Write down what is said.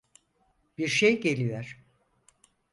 Bir şey geliyor.